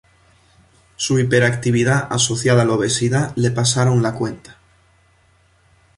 Su hiperactividad asociada a la obesidad le pasaron la cuenta.